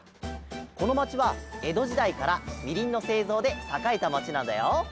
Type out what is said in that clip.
このまちはえどじだいからみりんのせいぞうでさかえたまちなんだよ。